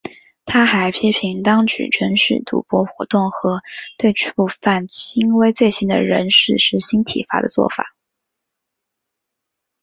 他还批评当局准许赌博活动和对触犯轻微罪行的人士施行体罚的作法。